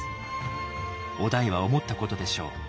於大は思ったことでしょう。